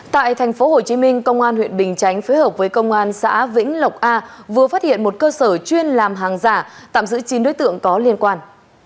tại thành phố hồ chí minh công an huyện bình chánh phối hợp với công an xã vĩnh lộc a vừa phát hiện một cơ sở chuyên làm hàng giả tạm giữ chín đối tượng có liên quan